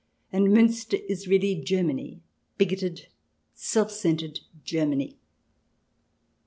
And Miinster is really Germany — bigoted, self centred Germany.